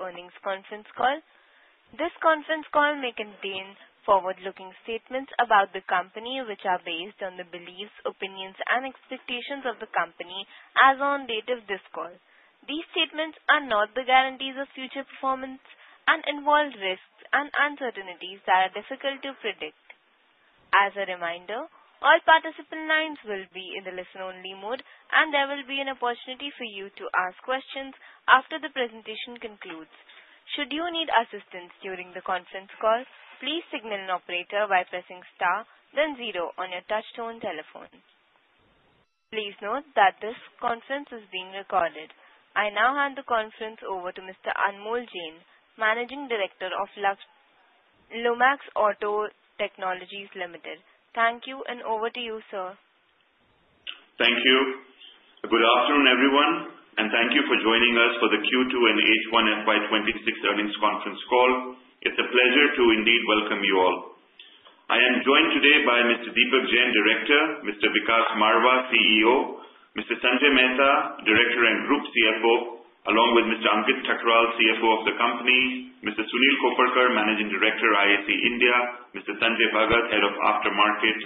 Earnings conference call. This conference call may contain forward-looking statements about the company, which are based on the beliefs, opinions, and expectations of the company as on date of this call. These statements are not the guarantees of future performance and involve risks and uncertainties that are difficult to predict. As a reminder, all participant lines will be in the listen-only mode, and there will be an opportunity for you to ask questions after the presentation concludes. Should you need assistance during the conference call, please signal an operator by pressing star, then zero on your touch-tone telephone. Please note that this conference is being recorded. I now hand the conference over to Mr. Anmol Jain, Managing Director of Lumax Auto Technologies Limited. Thank you, and over to you, sir. Thank you. Good afternoon, everyone, and thank you for joining us for the Q2 and H1 FY 2026 earnings conference call. It's a pleasure to indeed welcome you all. I am joined today by Mr. Deepak Jain, Director; Mr. Vikas Marwah, CEO; Mr. Sanjay Mehta, Director and Group CFO; along with Mr. Ankit Thakral, CFO of the company; Mr. Sunil Koparkar, Managing Director, IAC India; Mr. Sanjay Bhagat, Head of After Market;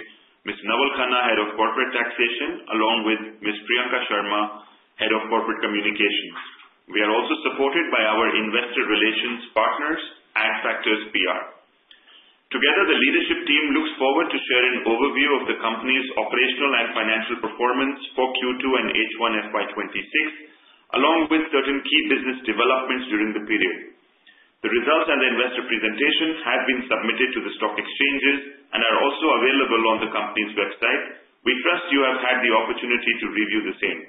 Mr. Naval Khanna, Head of Corporate Taxation; along with Ms. Priyanka Sharma, Head of Corporate Communications. We are also supported by our investor relations partners, Adfactors PR. Together, the leadership team looks forward to sharing an overview of the company's operational and financial performance for Q2 and H1 FY 2026, along with certain key business developments during the period. The results and the investor presentation have been submitted to the stock exchanges and are also available on the company's website. We trust you have had the opportunity to review the same.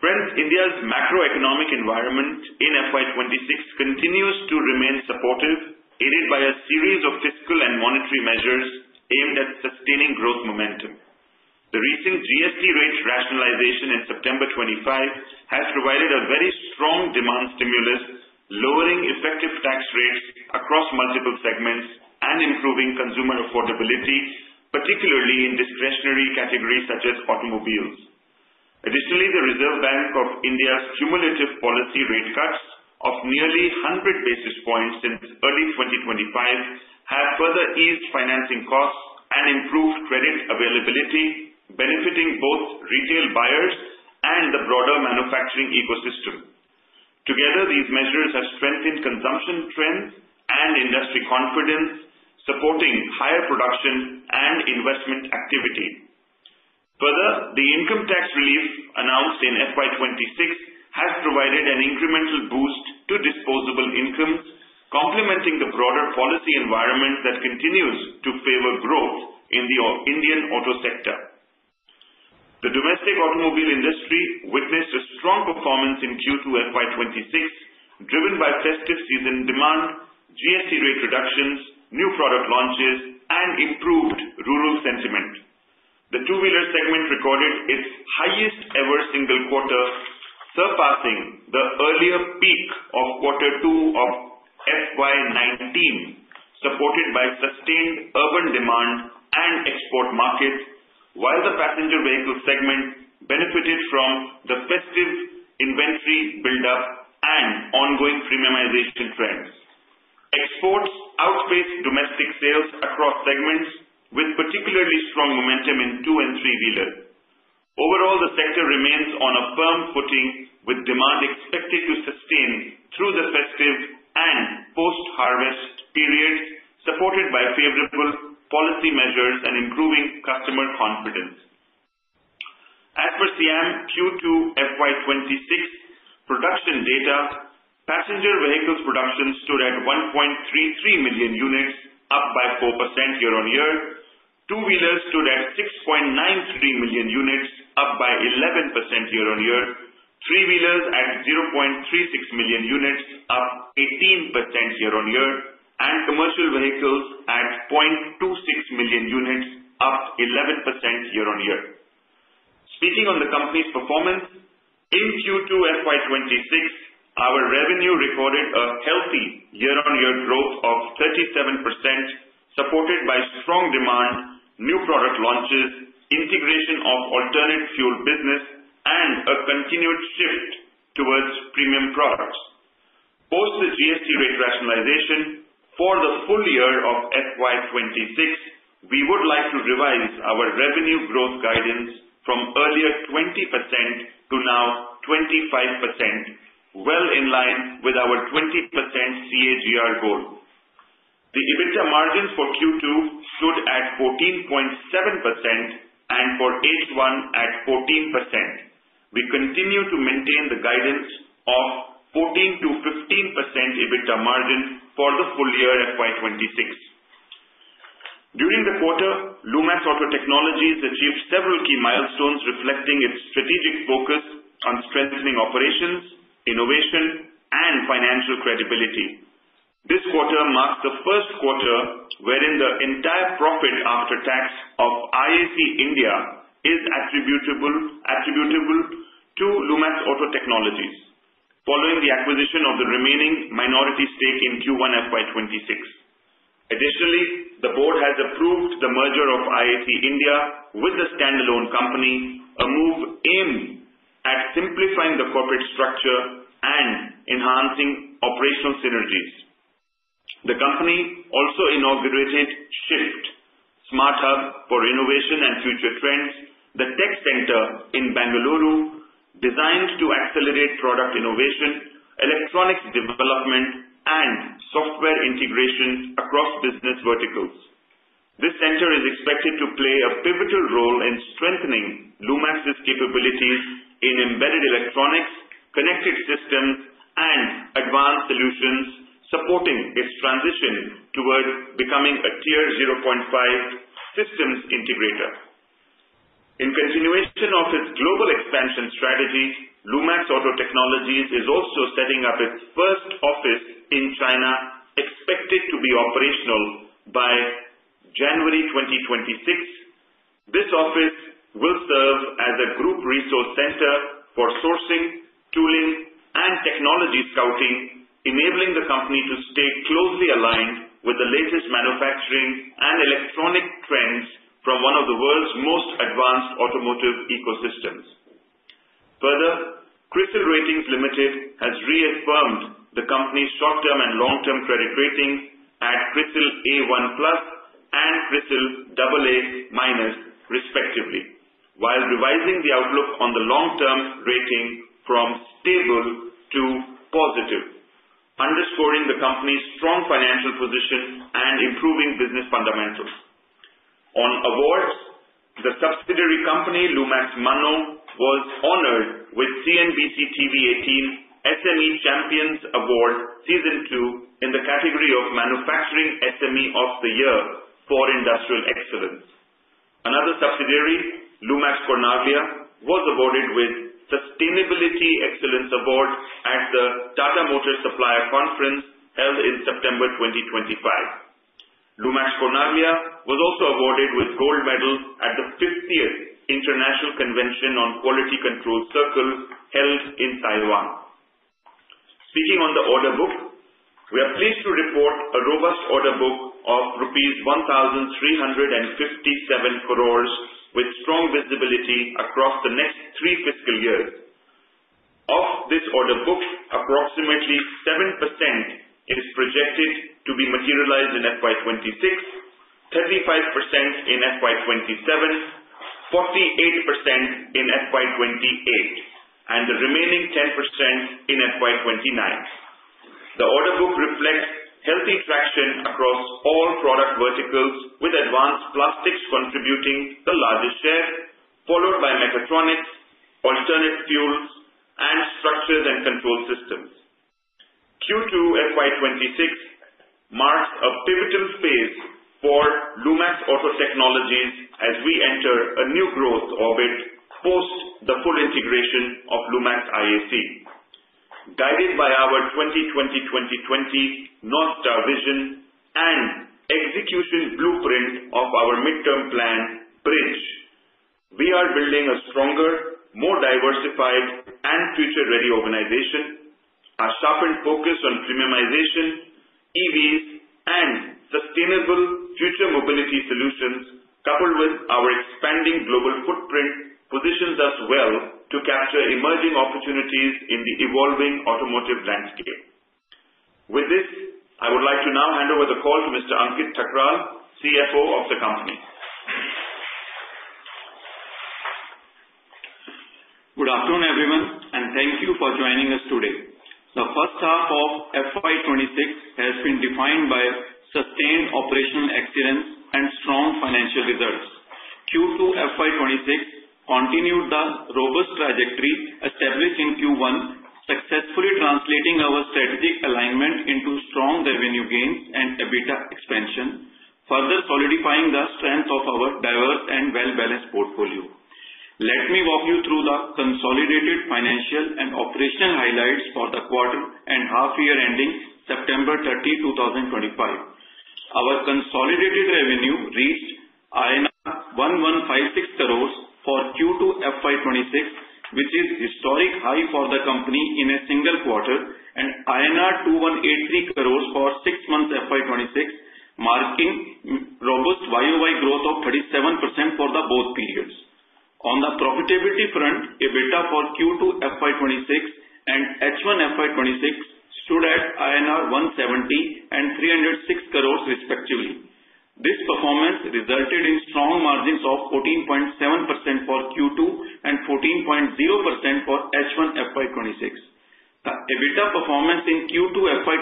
Friends, India's macroeconomic environment in FY 2026 continues to remain supportive, aided by a series of fiscal and monetary measures aimed at sustaining growth momentum. The recent GST rate rationalization in September 2025 has provided a very strong demand stimulus, lowering effective tax rates across multiple segments and improving consumer affordability, particularly in discretionary categories such as automobiles. Additionally, the Reserve Bank of India's cumulative policy rate cuts of nearly 100 basis points since early 2025 have further eased financing costs and improved credit availability, benefiting both retail buyers and the broader manufacturing ecosystem. Together, these measures have strengthened consumption trends and industry confidence, supporting higher production and investment activity. Further, the income tax relief announced in FY 2026 has provided an incremental boost to disposable income, complementing the broader policy environment that continues to favor growth in the Indian auto sector. The domestic automobile industry witnessed a strong performance in Q2 FY 2026, driven by festive season demand, GST rate reductions, new product launches, and improved rural sentiment. The two-wheeler segment recorded its highest-ever single quarter, surpassing the earlier peak of Q2 of FY 2019, supported by sustained urban demand and export markets, while the passenger vehicle segment benefited from the festive inventory buildup and ongoing premiumization trends. Exports outpaced domestic sales across segments, with particularly strong momentum in two and three-wheelers. Overall, the sector remains on a firm footing, with demand expected to sustain through the festive and post-harvest periods, supported by favorable policy measures and improving customer confidence. As per SIAM Q2 FY 2026 production data, passenger vehicles' production stood at 1.33 million units, up by 4% year-on-year. Two-wheelers stood at 6.93 million units, up by 11% year-on-year. Three-wheelers at 0.36 million units, up 18% year-on-year, and commercial vehicles at 0.26 million units, up 11% year-on-year. Speaking on the company's performance, in Q2 FY 2026, our revenue recorded a healthy year-on-year growth of 37%, supported by strong demand, new product launches, integration of alternate fuel business, and a continued shift towards premium products. Post the GST rate rationalization for the full year of FY 2026, we would like to revise our revenue growth guidance from earlier 20% to now 25%, well in line with our 20% CAGR goal. The EBITDA margins for Q2 stood at 14.7% and for H1 at 14%. We continue to maintain the guidance of 14%-15% EBITDA margin for the full year FY 2026. During the quarter, Lumax Auto Technologies achieved several key milestones reflecting its strategic focus on strengthening operations, innovation, and financial credibility. This quarter marks the first quarter wherein the entire profit after tax of IAC India is attributable to Lumax Auto Technologies, following the acquisition of the remaining minority stake in Q1 FY 2026. Additionally, the Board has approved the merger of IAC India with the standalone company, a move aimed at simplifying the corporate structure and enhancing operational synergies. The company also inaugurated SHIFT, Smart Hub for Innovation and Future Trends, the tech center in Bengaluru, designed to accelerate product innovation, electronics development, and software integration across business verticals. This center is expected to play a pivotal role in strengthening Lumax's capabilities in embedded electronics, connected systems, and advanced solutions, supporting its transition toward becoming a Tier 0.5 systems integrator. In continuation of its global expansion strategy, Lumax Auto Technologies is also setting up its first office in China, expected to be operational by January 2026. This office will serve as a group resource center for sourcing, tooling, and technology scouting, enabling the company to stay closely aligned with the latest manufacturing and electronic trends from one of the world's most advanced automotive ecosystems. Further, CRISIL Ratings Limited has reaffirmed the company's short-term and long-term credit ratings at CRISIL A1+ and CRISIL AA-, respectively, while revising the outlook on the long-term rating from stable to positive, underscoring the company's strong financial position and improving business fundamentals. On awards, the subsidiary company, Lumax Mannoh, was honored with CNBC-TV18 SME Champions Award, Season 2, in the category of Manufacturing SME of the Year for Industrial Excellence. Another subsidiary, Lumax Cornaglia, was awarded with Sustainability Excellence Award at the Tata Motors Supplier Conference held in September 2025. Lumax Cornaglia was also awarded with gold medal at the 50th International Convention on Quality Control Circle, held in Taiwan. Speaking on the order book, we are pleased to report a robust order book of rupees 1,357 crore with strong visibility across the next three fiscal years. Of this order book, approximately 7% is projected to be materialized in FY 2026, 35% in FY 2027, 48% in FY 2028, and the remaining 10% in FY 2029. The order book reflects healthy traction across all product verticals, with advanced plastics contributing the largest share, followed by mechatronics, alternate fuels, and structures and control systems. Q2 FY 2026 marks a pivotal phase for Lumax Auto Technologies as we enter a new growth orbit post the full integration of Lumax IAC, guided by our 20.20.20.20 NorthStar Vision and execution blueprint of our midterm plan, BRIDGE. We are building a stronger, more diversified, and future-ready organization, a sharpened focus on premiumization, EVs, and sustainable future mobility solutions, coupled with our expanding global footprint, positions us well to capture emerging opportunities in the evolving automotive landscape. With this, I would like to now hand over the call to Mr. Ankit Thakral, CFO of the company. Good afternoon, everyone, and thank you for joining us today. The first half of FY 2026 has been defined by sustained operational excellence and strong financial results. Q2 FY 2026 continued the robust trajectory established in Q1, successfully translating our strategic alignment into strong revenue gains and EBITDA expansion, further solidifying the strength of our diverse and well-balanced portfolio. Let me walk you through the consolidated financial and operational highlights for the quarter and half-year ending September 30, 2025. Our consolidated revenue reached INR 1,156 crore for Q2 FY 2026, which is a historic high for the company in a single quarter, and INR 2,183 crore for six months FY 2026, marking robust growth of 37% for both periods. On the profitability front, EBITDA for Q2 FY 2026 and H1 FY 2026 stood at INR 170 and 306 crore, respectively. This performance resulted in strong margins of 14.7% for Q2 and 14.0% for H1 FY 2026. The EBITDA performance in Q2 FY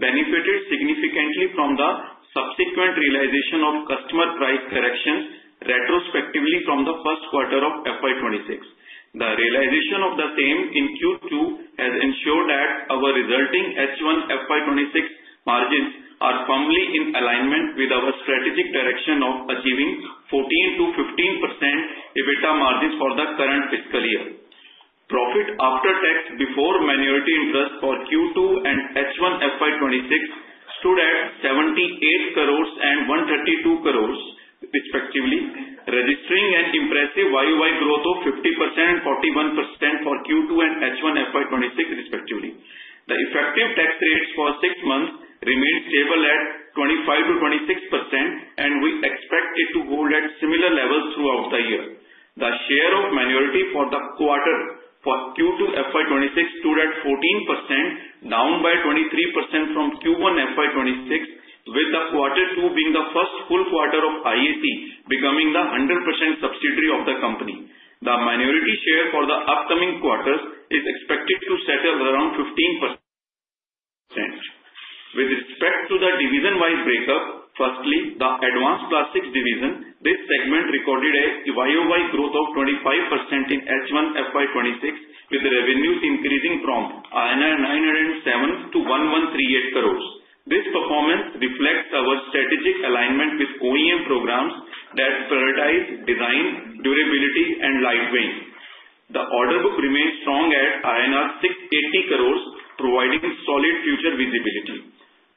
2026 benefited significantly from the subsequent realization of customer price corrections retrospectively from the first quarter of FY 2026. The realization of the same in Q2 has ensured that our resulting H1 FY 2026 margins are firmly in alignment with our strategic direction of achieving 14%-15% EBITDA margins for the current fiscal year. Profit after tax before minority interest for Q2 and H1 FY 2026 stood at 78 crore rupees and 132 crore rupees, respectively, registering an impressive YoY growth of 50% and 41% for Q2 and H1 FY 2026, respectively. The effective tax rates for six months remained stable at 25%-26%, and we expect it to hold at similar levels throughout the year. The share of minority for the quarter for Q2 FY 2026 stood at 14%, down by 23% from Q1 FY 2026, with the quarter two being the first full quarter of IAC becoming the 100% subsidiary of the company. The minority share for the upcoming quarters is expected to settle around 15%. With respect to the division-wise breakup, firstly, the advanced plastics division, this segment recorded a YoY growth of 25% in H1 FY 2026, with revenues increasing from INR 907 to INR 1138 crore. This performance reflects our strategic alignment with OEM programs that prioritize design, durability, and lightweight. The order book remains strong at INR 680 crore, providing solid future visibility.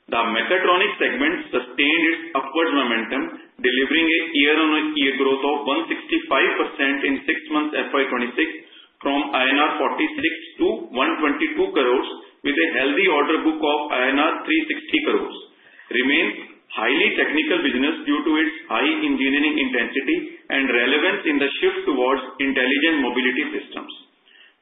The mechatronics segment sustained its upward momentum, delivering a year-on-year growth of 165% in six months FY 2026 from INR 46 to INR 122 crore, with a healthy order book of INR 360 crore. It remains a highly technical business due to its high engineering intensity and relevance in the shift towards intelligent mobility systems.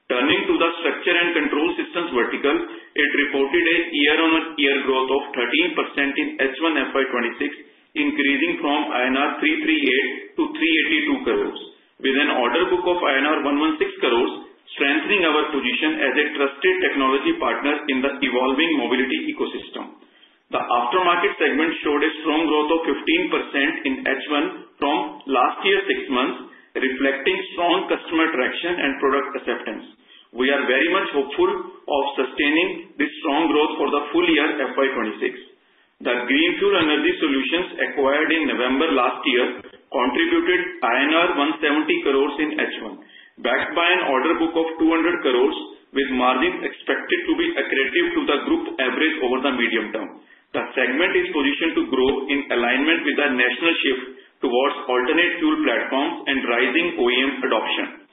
Turning to the structure and control systems vertical, it reported a year-on-year growth of 13% in H1 FY 2026, increasing from INR 338 to 382 crore, with an order book of INR 116 crore, strengthening our position as a trusted technology partner in the evolving mobility ecosystem. The aftermarket segment showed a strong growth of 15% in H1 from last year's six months, reflecting strong customer traction and product acceptance. We are very much hopeful of sustaining this strong growth for the full year FY 2026. The Greenfuel Energy Solutions acquired in November last year contributed INR 170 crore in H1, backed by an order book of 200 crore, with margins expected to be at par with the group average over the medium term. The segment is positioned to grow in alignment with the national shift towards alternate fuel platforms and rising OEM adoption.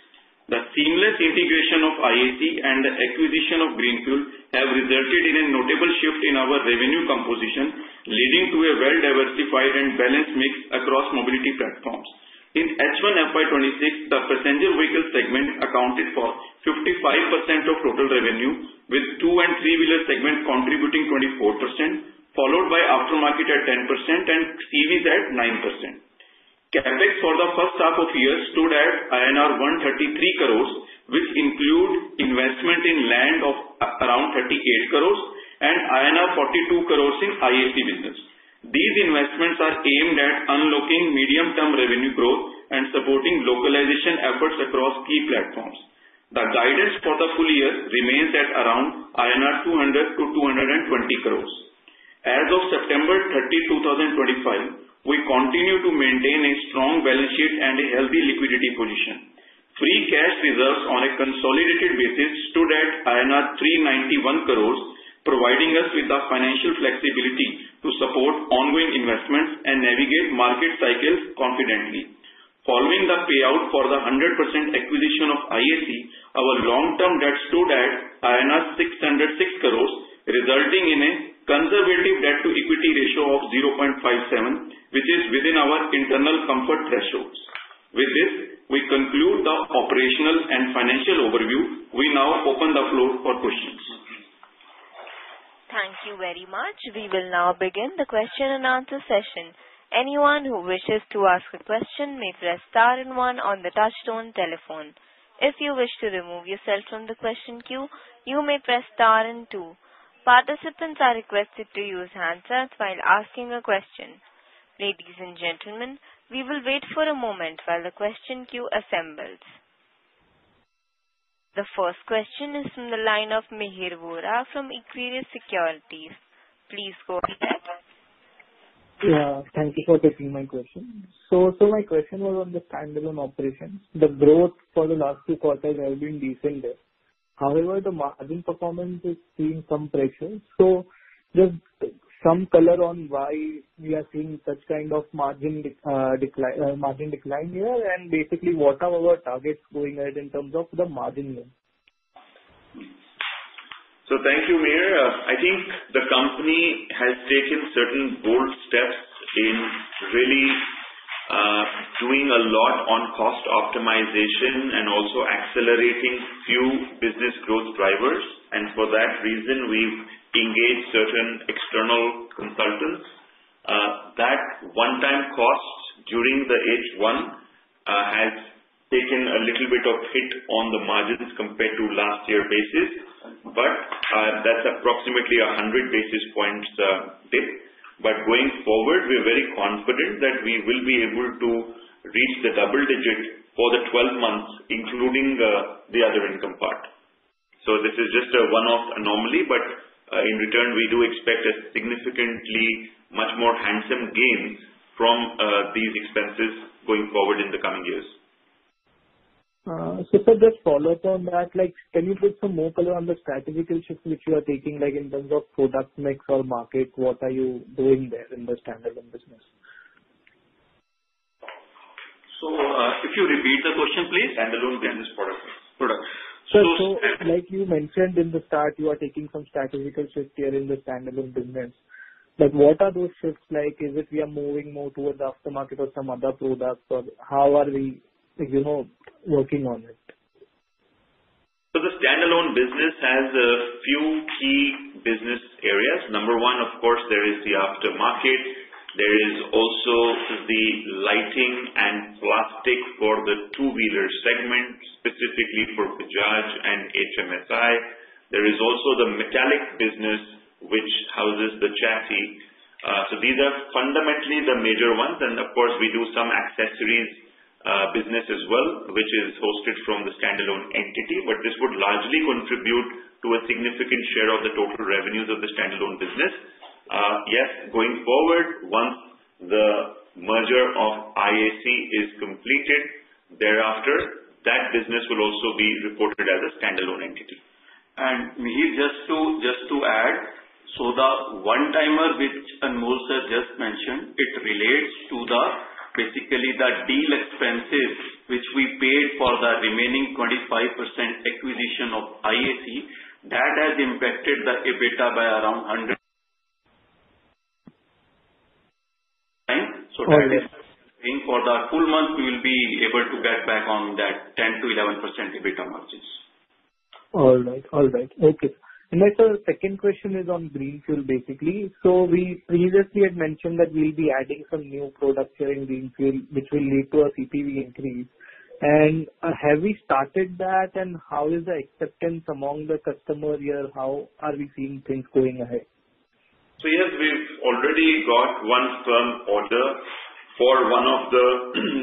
The seamless integration of IAC and the acquisition of Greenfuel have resulted in a notable shift in our revenue composition, leading to a well-diversified and balanced mix across mobility platforms. In H1 FY 2026, the passenger vehicle segment accounted for 55% of total revenue, with two- and three-wheeler segment contributing 24%, followed by aftermarket at 10% and EVs at 9%. Greenfuel for the first half of the year stood at INR 133 crore, which included investment in land of around INR 38 crore and INR 42 crore in IAC business. These investments are aimed at unlocking medium-term revenue growth and supporting localization efforts across key platforms. The guidance for the full year remains at around 200-220 crore INR. As of September 30, 2025, we continue to maintain a strong balance sheet and a healthy liquidity position. Free cash reserves on a consolidated basis stood at INR 391 crore, providing us with the financial flexibility to support ongoing investments and navigate market cycles confidently. Following the payout for the 100% acquisition of IAC, our long-term debt stood at INR 606 crore, resulting in a conservative debt-to-equity ratio of 0.57, which is within our internal comfort thresholds. With this, we conclude the operational and financial overview. We now open the floor for questions. Thank you very much. We will now begin the question and answer session. Anyone who wishes to ask a question may press star and one on the touch-tone telephone. If you wish to remove yourself from the question queue, you may press star and two. Participants are requested to use handsets while asking a question. Ladies and gentlemen, we will wait for a moment while the question queue assembles. The first question is from the line of Mihir Vora from Equirus Securities. Please go ahead. Thank you for taking my question. So my question was on the standalone operations. The growth for the last two quarters has been decent. However, the margin performance is seeing some pressure. So just some color on why we are seeing such kind of margin decline here and basically what are our targets going ahead in terms of the margin growth. Thank you, Mihir. I think the company has taken certain bold steps in really doing a lot on cost optimization and also accelerating few business growth drivers. For that reason, we've engaged certain external consultants. That one-time cost during the H1 has taken a little bit of hit on the margins compared to last year's basis, but that's approximately 100 basis points dip. Going forward, we're very confident that we will be able to reach the double digit for the 12 months, including the other income part. This is just a one-off anomaly, but in return, we do expect significantly much more handsome gains from these expenses going forward in the coming years. Super, just follow up on that. Can you put some more color on the strategic shift which you are taking in terms of product mix or market? What are you doing there in the standalone business? So if you repeat the question, please. So, like you mentioned at the start, you are taking some strategic shift here in the standalone business. But what are those shifts like? Is it we are moving more towards the aftermarket or some other product, or how are we working on it? The standalone business has a few key business areas. Number one, of course, there is the aftermarket. There is also the lighting and plastic for the two-wheeler segment, specifically for Bajaj and HMSI. There is also the metallic business, which houses the chassis. These are fundamentally the major ones. And of course, we do some accessories business as well, which is hosted from the standalone entity, but this would largely contribute to a significant share of the total revenues of the standalone business. Yes, going forward, once the merger of IAC is completed, thereafter, that business will also be reported as a standalone entity. And Mihir, just to add, the one-timer which Anmol sir just mentioned, it relates to basically the deal expenses which we paid for the remaining 25% acquisition of IAC. That has impacted the EBITDA by around 100%-20% paying for the full month, we will be able to get back on that 10%-11% EBITDA margins. And my second question is on Greenfuel, basically. So we previously had mentioned that we'll be adding some new products here in Greenfuel, which will lead to a CPV increase. And have we started that, and how is the acceptance among the customer here? How are we seeing things going ahead? So yes, we've already got one firm order for one of the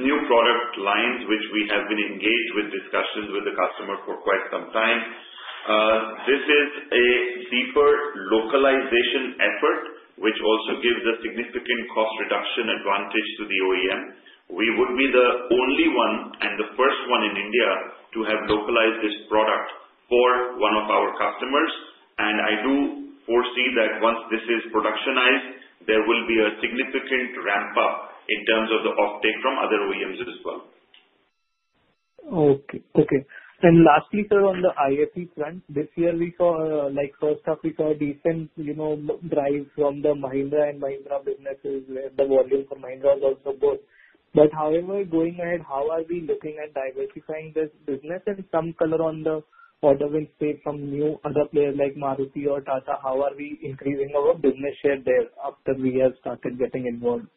new product lines, which we have been engaged with discussions with the customer for quite some time. This is a deeper localization effort, which also gives a significant cost reduction advantage to the OEM. We would be the only one and the first one in India to have localized this product for one of our customers. And I do foresee that once this is productionized, there will be a significant ramp-up in terms of the offtake from other OEMs as well. Okay. And lastly, sir, on the IAC front, this year we saw, first off, we saw a decent drive from the Mahindra & Mahindra businesses, where the volume for Mahindra was also good. But however, going ahead, how are we looking at diversifying this business and some color on the order with, say, some new other players like Maruti or Tata? How are we increasing our business share there after we have started getting involved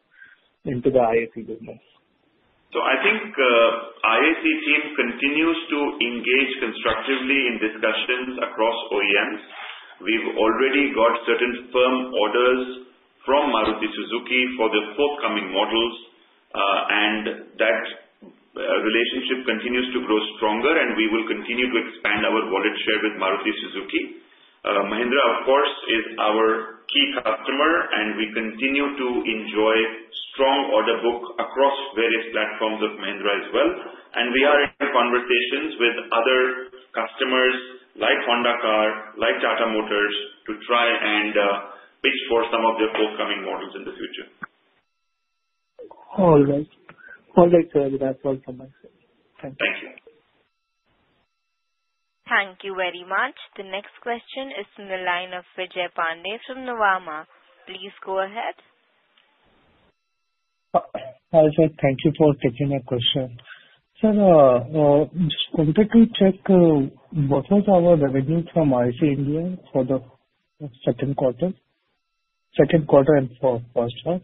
into the IAC business? So I think the IAC team continues to engage constructively in discussions across OEMs. We've already got certain firm orders from Maruti Suzuki for the forthcoming models, and that relationship continues to grow stronger, and we will continue to expand our wallet share with Maruti Suzuki. Mahindra, of course, is our key customer, and we continue to enjoy strong order book across various platforms of Mahindra as well. And we are in conversations with other customers like Honda Cars, like Tata Motors, to try and pitch for some of their forthcoming models in the future. All right. All right, sir. That's all from my side. Thank you. Thank you. Thank you very much. The next question is from the line of Vijay Pandey from Nuvama. Please go ahead. Hi, sir. Thank you for taking my question. Sir, just quickly check, what was our revenue from IAC India for the second quarter? Second quarter and for first quarter?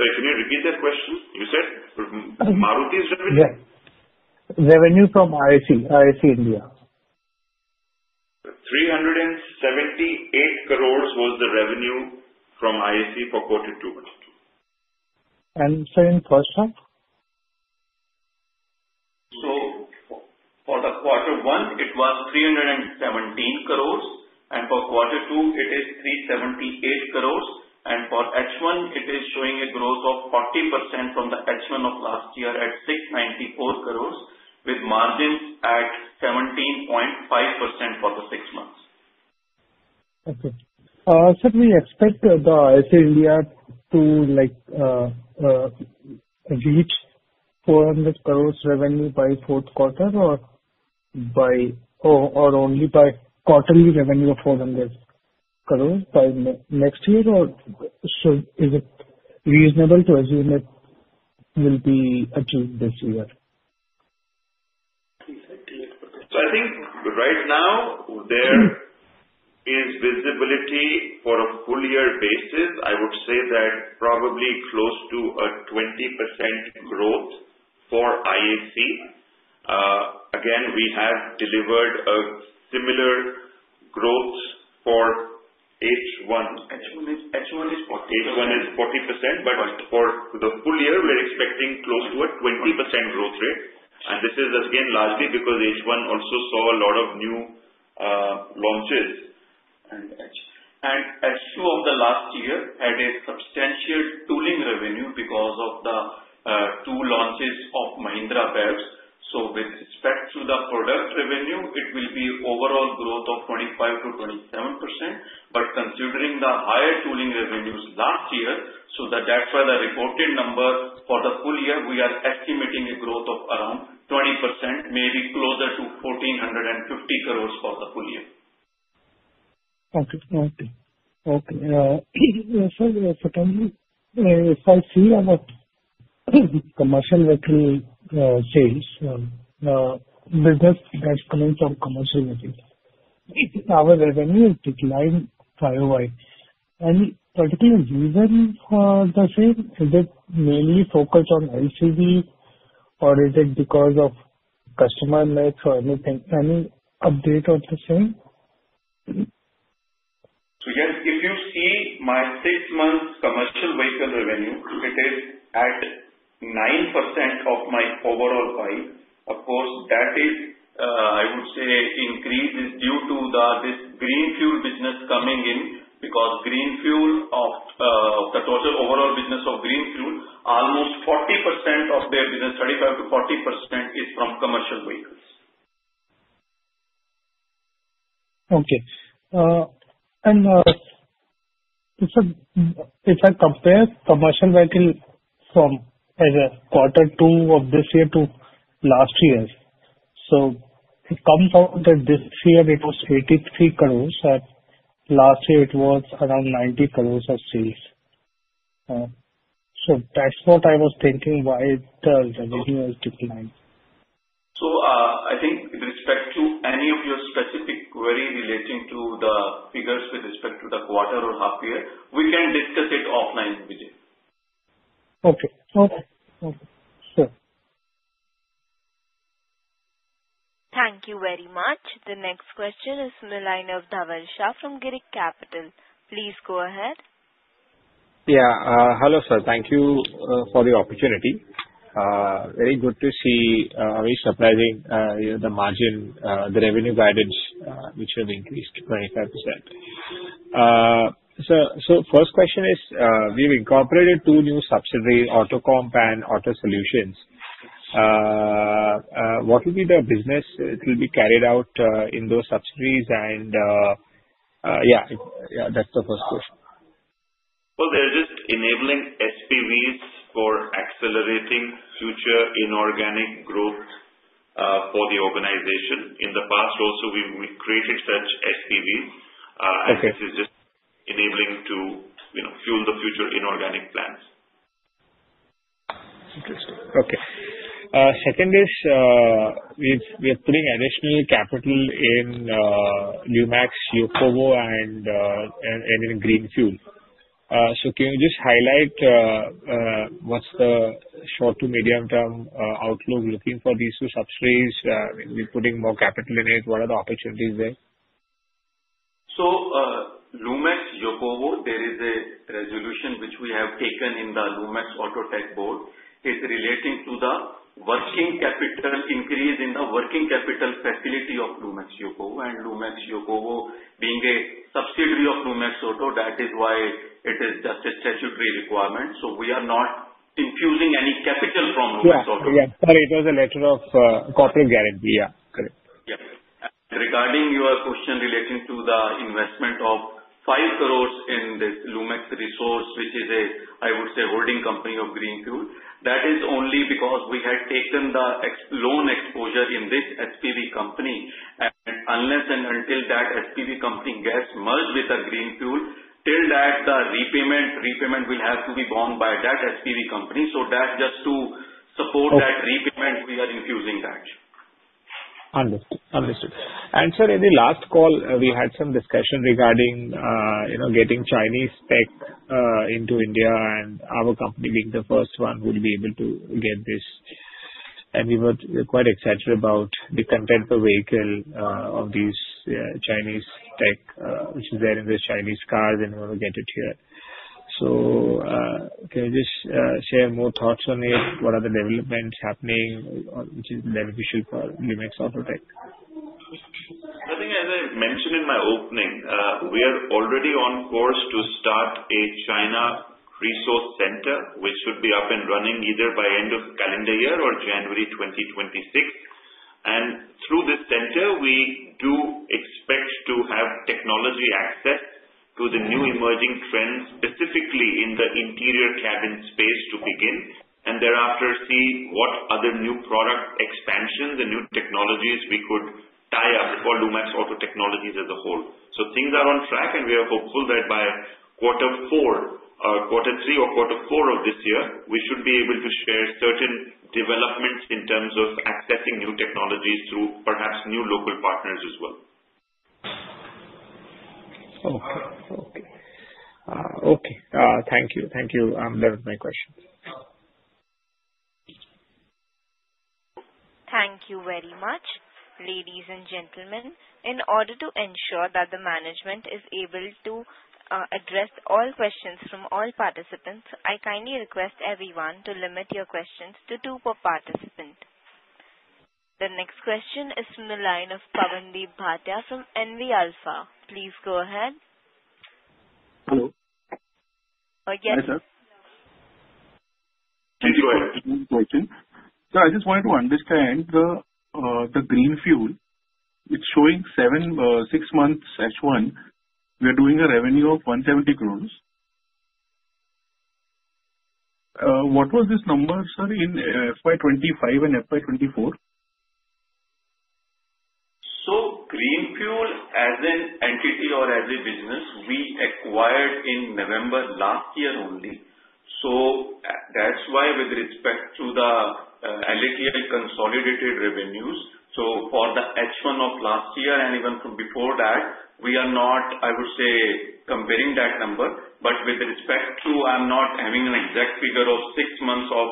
Sorry, can you repeat that question? You said Maruti's revenue? Yes. Revenue from IAC India. 378 crore was the revenue from IAC for quarter two. Sir, in first half? So for the quarter one, it was 317 crore, and for quarter two, it is 378 crore. And for H1, it is showing a growth of 40% from the H1 of last year at 694 crore, with margins at 17.5% for the six months. Okay. Sir, do we expect the IAC India to reach 400 crore revenue by fourth quarter or only by quarterly revenue of INR 400 crore by next year? Or is it reasonable to assume it will be achieved this year? So I think right now, there is visibility for a full-year basis. I would say that probably close to a 20% growth for IAC. Again, we have delivered a similar growth for H1. H1is 40%. But for the full year, we're expecting close to a 20% growth rate. And this is, again, largely because H1 also saw a lot of new launches. And H2 of the last year had a substantial tooling revenue because of the two launches of Mahindra vehicles. So with respect to the product revenue, it will be overall growth of 25%-27%. But considering the higher tooling revenues last year, so that's why the reported number for the full year, we are estimating a growth of around 20%, maybe closer to 1,450 crore for the full year. Okay. Sir, certainly, if I see our commercial vehicle sales, the business that's coming from commercial vehicles, our revenue is declining quite a way. Any particular reason for the sale? Is it mainly focused on LCV, or is it because of customer mix or anything? Any update on the sale? Yes, if you see my six-month commercial vehicle revenue, it is at 9% of my overall pie. Of course, that is, I would say, increased due to this Greenfuel business coming in because Greenfuel of the total overall business of Greenfuel, almost 40% of their business, 35%-40%, is from commercial vehicles. Okay. And if I compare commercial vehicle from either quarter two of this year to last year, so it comes out that this year it was 83 crore, and last year it was around 90 crore of sales. So that's what I was thinking, why the revenue has declined. So I think with respect to any of your specific query relating to the figures with respect to the quarter or half year, we can discuss it offline, Vijay. Okay. Sure. Thank you very much. The next question is from the line of Dhaval Shah from Girik Capital. Please go ahead. Yeah. Hello, sir. Thank you for the opportunity. Very good to see very surprising the margin, the revenue guidance, which have increased 25%. So first question is, we've incorporated two new subsidiaries, Autocomp and Auto Solutions. What will be the business that will be carried out in those subsidiaries? And yeah, that's the first question. They're just enabling SPVs for accelerating future inorganic growth for the organization. In the past, also, we created such SPVs, and this is just enabling to fuel the future inorganic plants. Interesting. Okay. Second is, we're putting additional capital in Lumax Yokowo, and in Greenfuel. So can you just highlight what's the short-to-medium term outlook looking for these two subsidiaries? I mean, we're putting more capital in it. What are the opportunities there? So Lumax Yokowo, there is a resolution which we have taken in the Lumax Auto Tech board. It's relating to the working capital increase in the working capital facility of Lumax Yokowo. And Lumax Yokowo being a subsidiary of Lumax Auto, that is why it is just a statutory requirement. So we are not infusing any capital from Lumax Auto. Yes. Sorry, it was a letter of corporate guarantee. Yeah. Correct. Yeah. Regarding your question relating to the investment of 5 crore in this Lumax Resources, which is a, I would say, holding company of Greenfuel, that is only because we had taken the loan exposure in this SPV company. Unless and until that SPV company gets merged with the Greenfuel, till that, the repayment will have to be borne by that SPV company. So that's just to support that repayment, we are infusing that. Understood. And Sir, in the last call, we had some discussion regarding getting Chinese tech into India, and our company being the first one would be able to get this. And we were quite excited about the content of the vehicle of these Chinese tech, which is there in the Chinese cars, and we want to get it here. So can you just share more thoughts on it? What are the developments happening which is beneficial for Lumax Auto Tech? I think, as I mentioned in my opening, we are already on course to start a China Resource Center, which should be up and running either by end of calendar year or January 2026, and through this center, we do expect to have technology access to the new emerging trends, specifically in the interior cabin space, to begin, and thereafter see what other new product expansions, the new technologies we could tie up for Lumax Auto Technologies as a whole, so things are on track, and we are hopeful that by quarter three or quarter four of this year, we should be able to share certain developments in terms of accessing new technologies through perhaps new local partners as well. Okay. Thank you. That was my question. Thank you very much, ladies and gentlemen. In order to ensure that the management is able to address all questions from all participants, I kindly request everyone to limit your questions to two per participant. The next question is from the line of Pawandeep Bhatia from NV Alpha. Please go ahead. Hello. Yes. Hi, sir. Thank you for asking the question. Sir, I just wanted to understand the Greenfuel. It's showing six months H1. We are doing a revenue of 170 crore. What was this number, sir, in FY 2025 and FY 2024? Greenfuel, as an entity or as a business, we acquired in November last year only. That's why, with respect to the LATL consolidated revenues, for the H1 of last year and even from before that, we are not, I would say, comparing that number. But with respect to, I'm not having an exact figure of six months of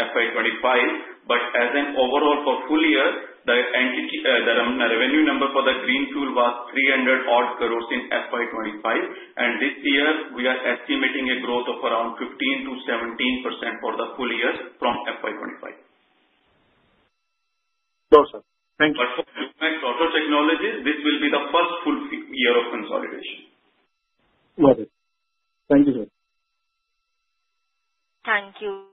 FY 2025, but as an overall for full year, the revenue number for the Greenfuel was 300-odd crore in FY 2025. And this year, we are estimating a growth of around 15%-17% for the full year from FY 2025. No, sir. Thank you. But for Lumax Auto Technologies, this will be the first full year of consolidation. Got it. Thank you, sir. Thank you.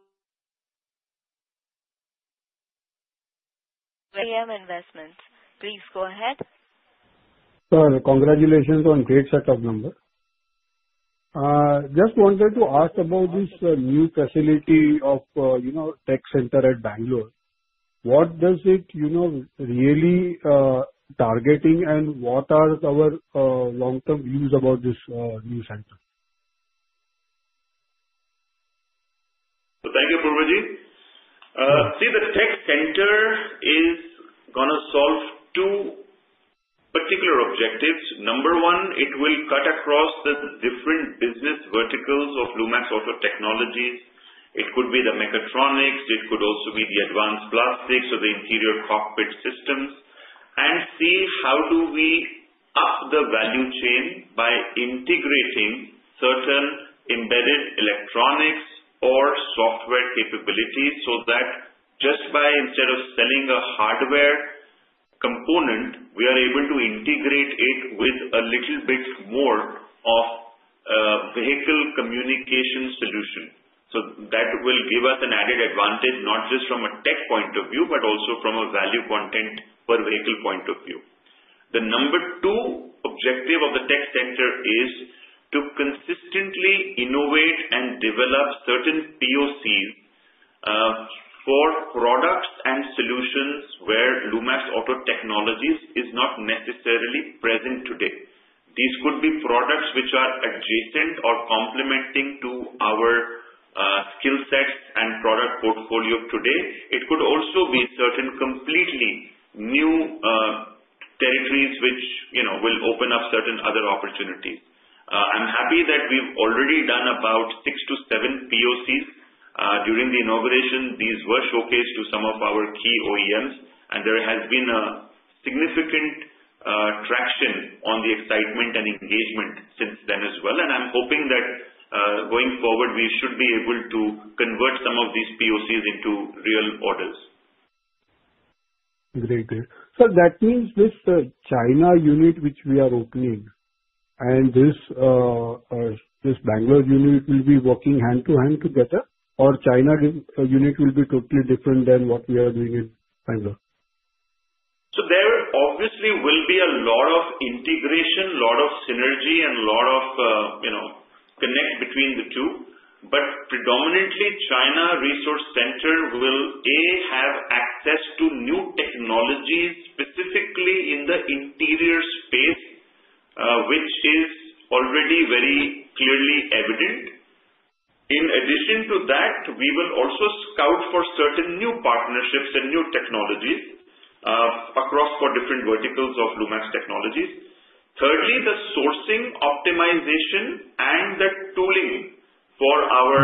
AM Investments. Please go ahead. Sir, congratulations on great set of numbers. Just wanted to ask about this new facility of tech center at Bengaluru. What does it really targeting, and what are our long-term views about this new center? So thank you, Apurvaji. See, the tech center is going to solve two particular objectives. Number one, it will cut across the different business verticals of Lumax Auto Technologies. It could be the mechatronics. It could also be the advanced plastics or the interior cockpit systems. And see, how do we up the value chain by integrating certain embedded electronics or software capabilities so that just by, instead of selling a hardware component, we are able to integrate it with a little bit more of vehicle communication solution. So that will give us an added advantage, not just from a tech point of view, but also from a value content per vehicle point of view. The number two objective of the tech center is to consistently innovate and develop certain POCs for products and solutions where Lumax Auto Technologies is not necessarily present today. These could be products which are adjacent or complementing to our skill sets and product portfolio today. It could also be certain completely new territories which will open up certain other opportunities. I'm happy that we've already done about six to seven POCs during the inauguration. These were showcased to some of our key OEMs, and there has been a significant traction on the excitement and engagement since then as well, and I'm hoping that going forward, we should be able to convert some of these POCs into real orders. Very good. So that means this China unit which we are opening and this Bengaluru unit will be working hand-to-hand together, or China unit will be totally different than what we are doing in Bengaluru? So there obviously will be a lot of integration, a lot of synergy, and a lot of connect between the two. But predominantly, China Resource Center will have access to new technologies, specifically in the interior space, which is already very clearly evident. In addition to that, we will also scout for certain new partnerships and new technologies across four different verticals of Lumax Auto Technologies. Thirdly, the sourcing optimization and the tooling for our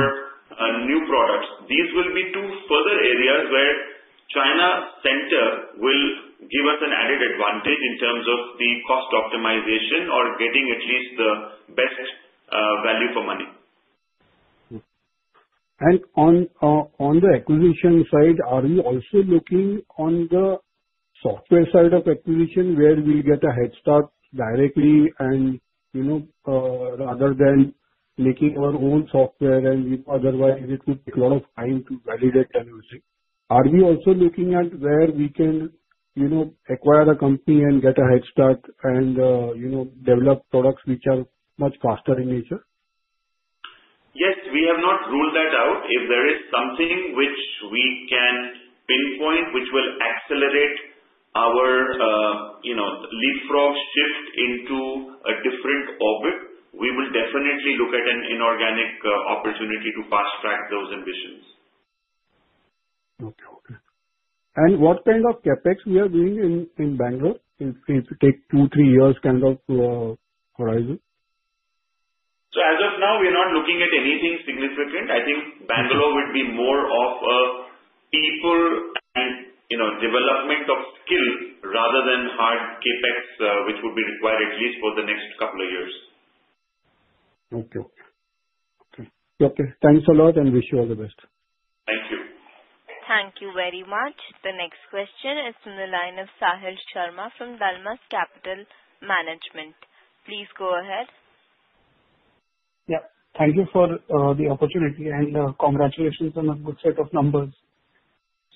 new products. These will be two further areas where China Resource Center will give us an added advantage in terms of the cost optimization or getting at least the best value for money. And on the acquisition side, are we also looking on the software side of acquisition where we'll get a head start directly and rather than making our own software and otherwise it would take a lot of time to validate and everything? Are we also looking at where we can acquire a company and get a head start and develop products which are much faster in nature? Yes. We have not ruled that out. If there is something which we can pinpoint which will accelerate our leapfrog shift into a different orbit, we will definitely look at an inorganic opportunity to fast-track those ambitions. What kind of Capex we are doing in Bengaluru if we take two to three years kind of horizon? So as of now, we're not looking at anything significant. I think Bengaluru would be more of a people and development of skill rather than hard Capex which would be required at least for the next couple of years. Okay. Thanks a lot and wish you all the best. Thank you. Thank you very much. The next question is from the line of Sahil Sharma from Dalmus Capital Management. Please go ahead. Yeah. Thank you for the opportunity and congratulations on a good set of numbers.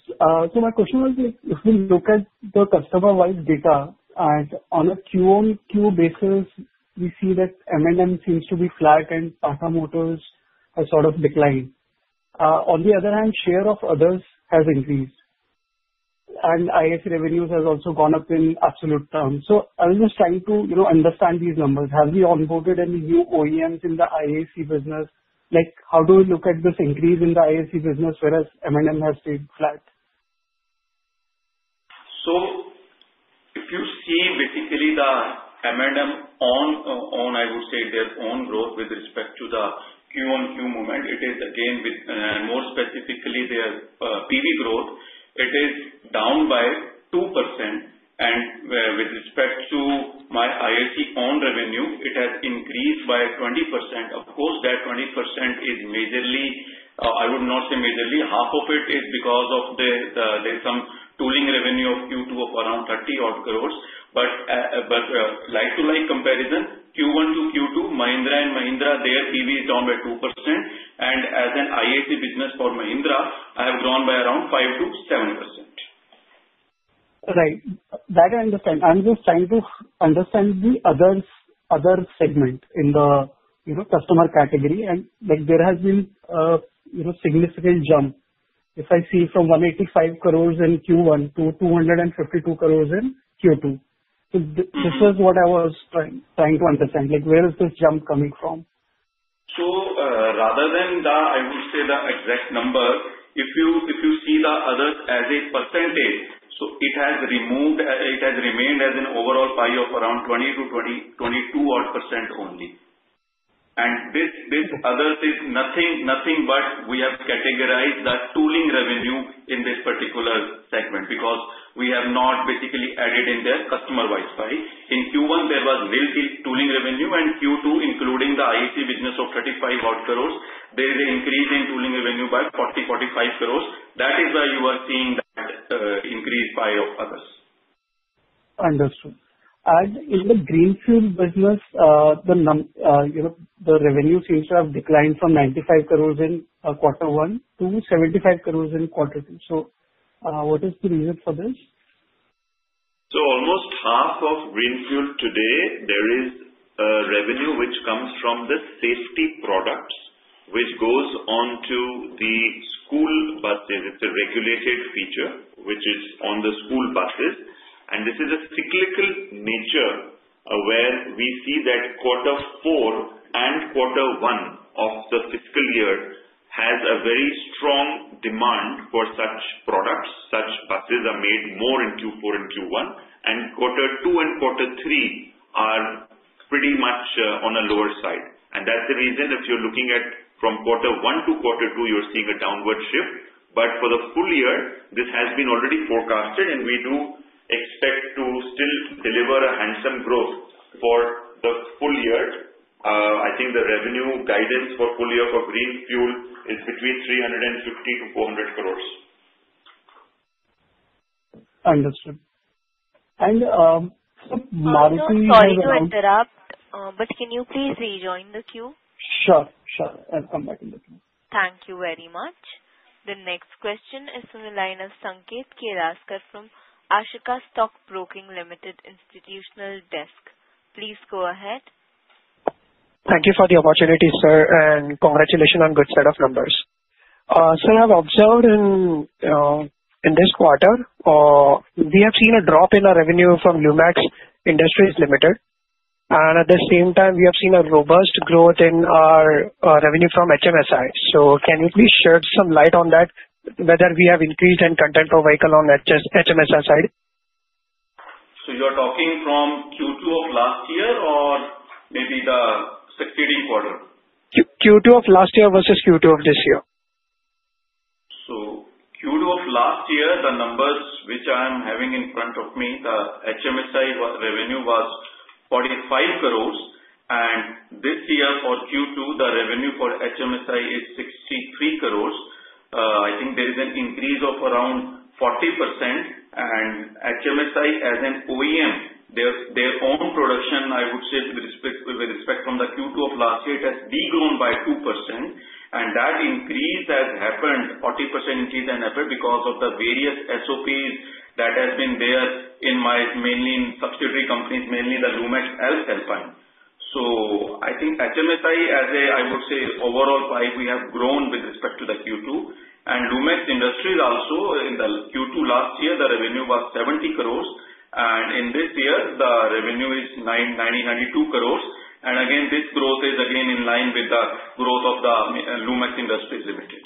So my question was, if we look at the customer-wise data and on a Q-on-Q basis, we see that M&M seems to be flat and Tata Motors has sort of declined. On the other hand, share of others has increased. And IAC revenues have also gone up in absolute terms. So I was just trying to understand these numbers. Have we onboarded any new OEMs in the IAC business? How do we look at this increase in the IAC business whereas M&M has stayed flat? So if you see basically the M&M on, I would say, their own growth with respect to the Q-on-Q movement, it is again, and more specifically, their PV growth, it is down by 2%. And with respect to our IAC own revenue, it has increased by 20%. Of course, that 20% is majorly. I would not say majorly. Half of it is because of some tooling revenue of Q2 of around 30-odd crore. But like-to-like comparison, Q1 to Q2, Mahindra & Mahindra, their PV is down by 2%. And as an IAC business for Mahindra, I have grown by around 5%-7%. Right. That I understand. I'm just trying to understand the other segment in the customer category, and there has been a significant jump. If I see from 185 crore in Q1 to 252 crore in Q2, this is what I was trying to understand. Where is this jump coming from? Rather than the, I would say, the exact number, if you see the others as a percentage, it has remained as an overall pie of around 20%-22% only. And this other thing, nothing but we have categorized the tooling revenue in this particular segment because we have not basically added in the customer-wide spike. In Q1, there was little tooling revenue. And Q2, including the IAC business of INR 35-odd crore, there is an increase in tooling revenue by INR 40-45 crore. That is why you are seeing that increased pie of others. Understood. And in the Greenfuel business, the revenue seems to have declined from 95 crore in quarter one to 75 crore in quarter two. So what is the reason for this? So almost half of Greenfuel today, there is revenue which comes from the safety products which goes on to the school buses. It's a regulated feature which is on the school buses. And this is a cyclical nature where we see that quarter four and quarter one of the fiscal year has a very strong demand for such products. Such buses are made more in Q4 and Q1. And quarter two and quarter three are pretty much on a lower side. And that's the reason if you're looking at from quarter one to quarter two, you're seeing a downward shift. But for the full year, this has been already forecasted, and we do expect to still deliver a handsome growth for the full year. I think the revenue guidance for full year for Greenfuel is between 350 to 400 crore. Understood. And Maruti- Sorry to interrupt, but can you please rejoin the queue? Sure. Sure. I'll come back in the queue. Thank you very much. The next question is from the line of Sanket Kelaskar from Ashika Stockbroking Limited Institutional Desk. Please go ahead. Thank you for the opportunity, sir, and congratulations on good set of numbers. Sir, I've observed in this quarter, we have seen a drop in our revenue from Lumax Industries Limited. And at the same time, we have seen a robust growth in our revenue from HMSI. So can you please shed some light on that, whether we have increased in content per vehicle on HMSI side? So you are talking from Q2 of last year or maybe the succeeding quarter? Q2 of last year versus Q2 of this year. So, Q2 of last year, the numbers which I am having in front of me, the HMSI revenue was 45 crore. And this year for Q2, the revenue for HMSI is 63 crore. I think there is an increase of around 40%. And HMSI, as an OEM, their own production, I would say, with respect to the Q2 of last year, it has degrown by 2%. And that increase has happened, 40% increase in effect because of the various SOPs that have been there in, mainly in subsidiary companies, mainly the Lumax Alps Alpine. So I think HMSI, as a, I would say, overall pie, we have grown with respect to the Q2. And Lumax Industries also, in the Q2 last year, the revenue was 70 crore. And in this year, the revenue is 92 crore. Again, this growth is again in line with the growth of the Lumax Industries Limited.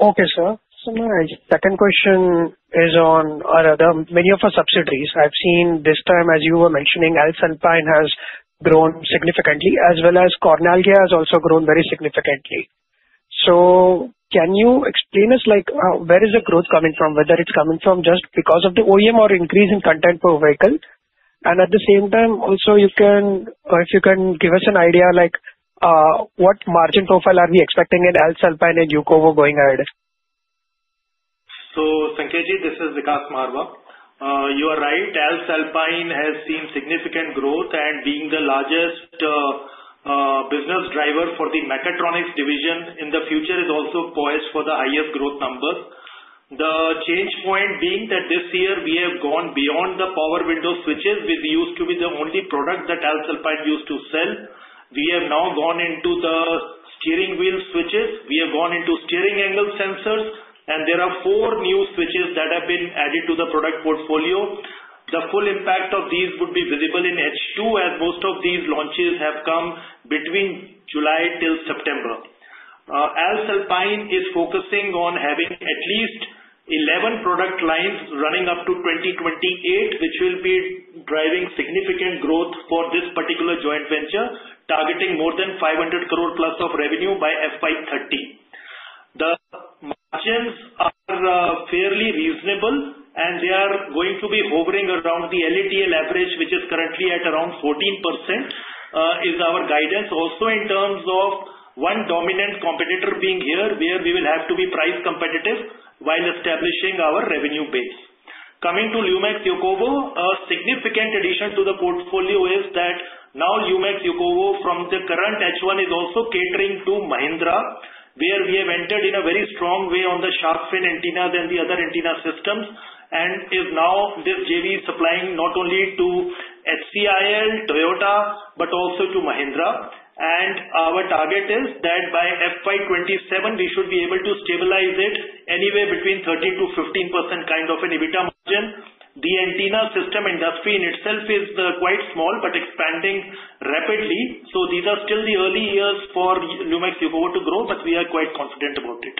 Okay, sir. So my second question is on many of our subsidiaries. I've seen this time, as you were mentioning, Alps Alpine has grown significantly, as well as Cornaglia has also grown very significantly. So can you explain us where is the growth coming from, whether it's coming from just because of the OEM or increase in content per vehicle? And at the same time, also, if you can give us an idea, what margin profile are we expecting in Alps Alpine and Yokowo going ahead? Sanket Ji, this is Vikas Marwa. You are right. Lumax Alpine has seen significant growth, and being the largest business driver for the mechatronics division in the future is also poised for the highest growth numbers. The change point being that this year, we have gone beyond the power window switches, which used to be the only product that Lumax Alpine used to sell. We have now gone into the steering wheel switches. We have gone into steering angle sensors. And there are four new switches that have been added to the product portfolio. The full impact of these would be visible in H2, as most of these launches have come between July till September. Alps Alpine is focusing on having at least 11 product lines running up to 2028, which will be driving significant growth for this particular joint venture, targeting more than 500 crore plus of revenue by FY 2030. The margins are fairly reasonable, and they are going to be hovering around the LATL average, which is currently at around 14%, is our guidance. Also, in terms of one dominant competitor being here, where we will have to be price competitive while establishing our revenue base. Coming to Lumax Yokowo, a significant addition to the portfolio is that now Lumax Yokowo from the current H1 is also catering to Mahindra, where we have entered in a very strong way on the shark fin antennas and the other antenna systems, and now this JV is supplying not only to HCIL, Toyota, but also to Mahindra. Our target is that by FY 2027, we should be able to stabilize it anywhere between 30%-15% kind of an EBITDA margin. The antenna system industry in itself is quite small but expanding rapidly. These are still the early years for Lumax Yokowo to grow, but we are quite confident about it.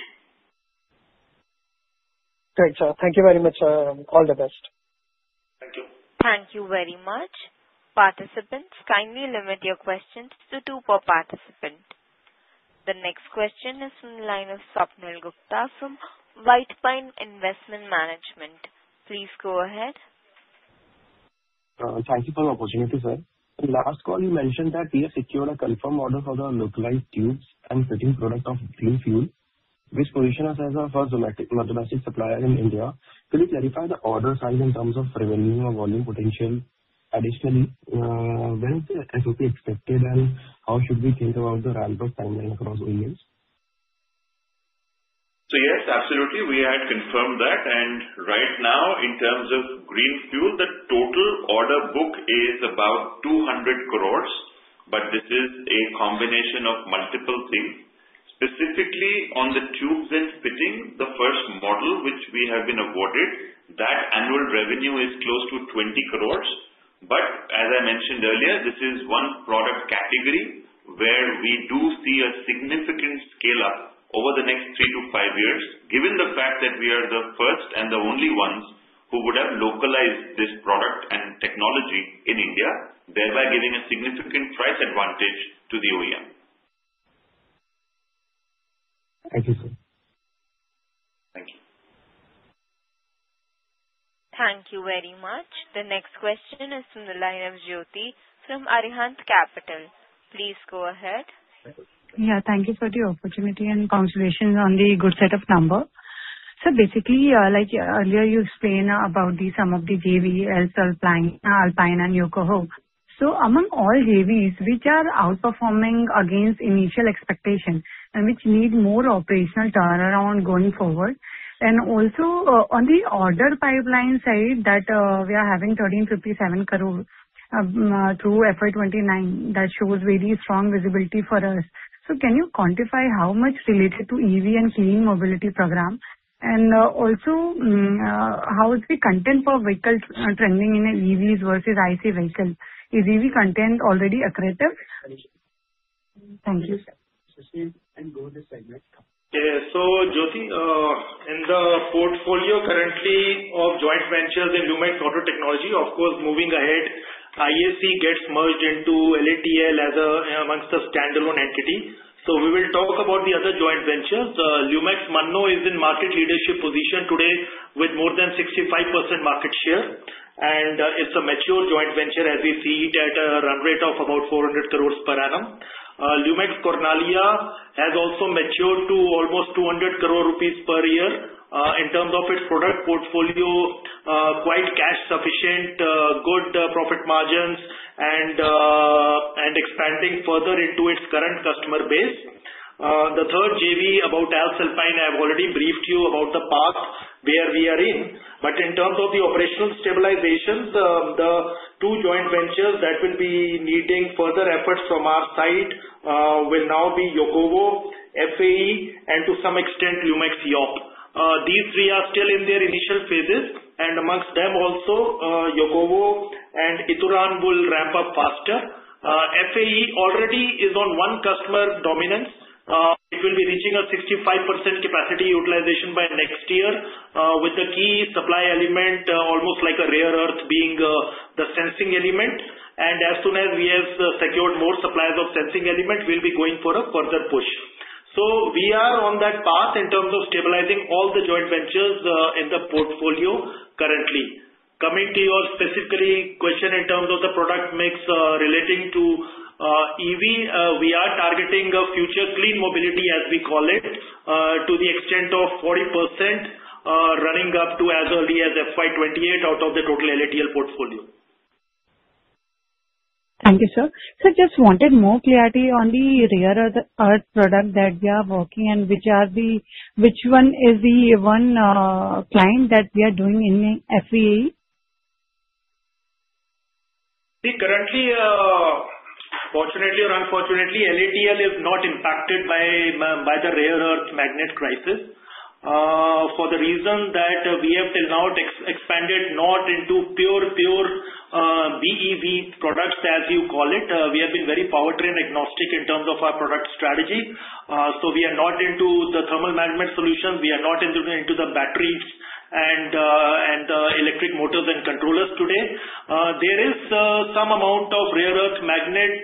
Great, sir. Thank you very much. All the best. Thank you. Thank you very much. Participants, kindly limit your questions to two per participant. The next question is from the line of Swapnil Gupta from White Pine Investment Management. Please go ahead. Thank you for the opportunity, sir. Last call, you mentioned that we have secured a confirmed order for the localized tubes and fittings product of Greenfuel, which positions us as the first domestic supplier in India. Could you clarify the order size in terms of revenue or volume potential? Additionally, when is the SOP expected, and how should we think about the ramp-up timeline across OEMs? So yes, absolutely. We had confirmed that. And right now, in terms of Greenfuel, the total order book is about 200 crore, but this is a combination of multiple things. Specifically, on the tubes and fittings, the first model which we have been awarded, that annual revenue is close to 20 crore. But as I mentioned earlier, this is one product category where we do see a significant scale-up over the next three-to-five years, given the fact that we are the first and the only ones who would have localized this product and technology in India, thereby giving a significant price advantage to the OEM. Thank you, sir. Thank you. Thank you very much. The next question is from the line of Jyoti from Arihant Capital. Please go ahead. Yeah. Thank you for the opportunity and congratulations on the good set of numbers. So basically, earlier you explained about some of the JV, Alpine and Yokowo. So among all JVs, which are outperforming against initial expectation and which need more operational turnaround going forward, and also on the order pipeline side that we are having 1,357 crore through FY 2029, that shows very strong visibility for us. So can you quantify how much related to EV and clean mobility program? And also, how is the content per vehicle trending in EVs versus ICE vehicles? Is EV content already accretive? Thank you. Thank you, sir. Proceed and go to the segment. Yeah. So Jyoti, in the portfolio currently of joint ventures in Lumax Auto Technologies, of course, moving ahead, IAC gets merged into Yokowo as amongst the standalone entity. So we will talk about the other joint ventures. Lumax Mannoh is in market leadership position today with more than 65% market share. And it's a mature joint venture as we see it at a run rate of about 400 crore per annum. Lumax Cornaglia has also matured to almost 200 crore rupees per year in terms of its product portfolio, quite cash sufficient, good profit margins, and expanding further into its current customer base. The third JV about Lumax Alps Alpine, I have already briefed you about the path where we are in. But in terms of the operational stabilizations, the two joint ventures that will be needing further efforts from our side will now be Yokowo, FAE, and to some extent, Lumax Yokowo. These three are still in their initial phases. And amongst them also, Yokowo and Ituran will ramp up faster. FAE already is on one customer dominance. It will be reaching a 65% capacity utilization by next year with the key supply element, almost like a rare earth being the sensing element. And as soon as we have secured more suppliers of sensing element, we'll be going for a further push. So we are on that path in terms of stabilizing all the joint ventures in the portfolio currently. Coming to your specific question in terms of the product mix relating to EV, we are targeting a future clean mobility, as we call it, to the extent of 40% running up to as early as FY 2028 out of the total LATL portfolio. Thank you, sir. So just wanted more clarity on the rare earth product that we are working and which one is the one client that we are doing in FAE? Currently, fortunately or unfortunately, LATL is not impacted by the rare earth magnet crisis for the reason that we have till now expanded not into pure, pure BEV products, as you call it. We have been very powertrain agnostic in terms of our product strategy. So we are not into the thermal management solutions. We are not into the batteries and the electric motors and controllers today. There is some amount of rare earth magnet,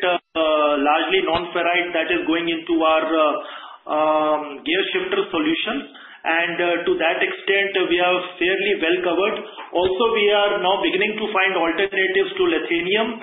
largely non-ferrite, that is going into our gear shifter solution. And to that extent, we are fairly well covered. Also, we are now beginning to find alternatives to lithium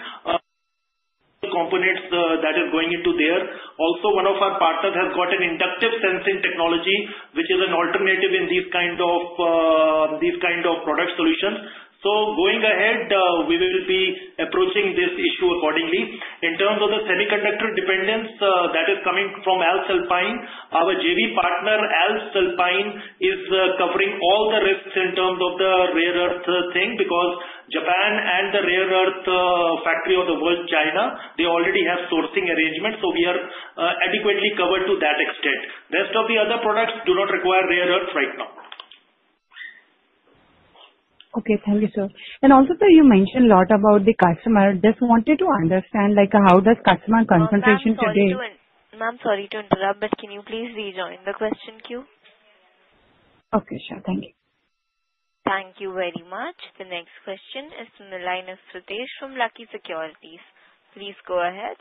components that are going into there. Also, one of our partners has got an inductive sensing technology, which is an alternative in these kind of product solutions. So going ahead, we will be approaching this issue accordingly. In terms of the semiconductor dependence that is coming from Alps Alpine, our JV partner, Alps Alpine, is covering all the risks in terms of the rare earth thing because Japan and the rare earth factory of the world, China, they already have sourcing arrangements. So we are adequately covered to that extent. The rest of the other products do not require rare earth right now. Okay. Thank you, sir, and also, sir, you mentioned a lot about the customer. Just wanted to understand how does customer concentration today? I'm sorry to interrupt, but can you please rejoin the question queue? Okay, sure. Thank you. Thank you very much. The next question is from the line of Sritesh from Lucky Securities. Please go ahead.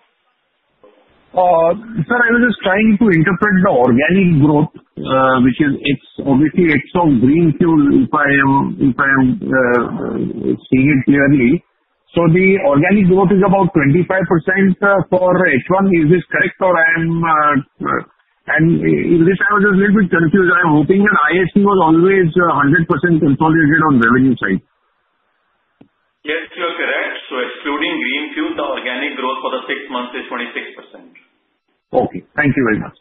Sir, I was just trying to interpret the organic growth, which is obviously ex of Greenfuel, if I am seeing it clearly. So the organic growth is about 25% for H1. Is this correct? And this I was just a little bit confused. I'm hoping that IAC was always 100% consolidated on revenue side. Yes, you are correct, so excluding Greenfuel, the organic growth for the six months is 26%. Okay. Thank you very much.